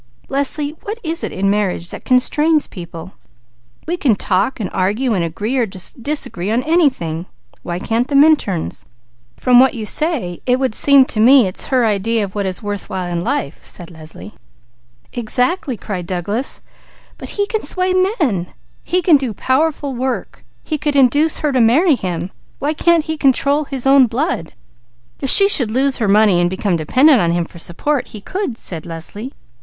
Leslie, what is it in marriage that constrains people? We can talk, argue and agree or disagree on anything, why can't the Minturns?" "From what you say, it would seem to me it's her idea of what is worth while in life," said Leslie. "Exactly!" cried Douglas. "But he can sway men! He can do powerful work. He could induce her to marry him. Why can't he control his own blood?" "If she should lose her money and become dependent upon him for support, he could!" said Leslie.